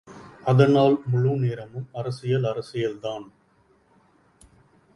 அதனால் முழு நேரமும் அரசியல், அரசியல்தான்.